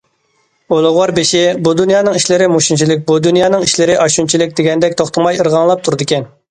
ئۇلۇغۋار بېشى« بۇ دۇنيانىڭ ئىشلىرى مۇشۇنچىلىك، بۇ دۇنيانىڭ ئىشلىرى ئاشۇنچىلىك» دېگەندەك توختىماي ئىرغاڭلاپ تۇرىدىكەن.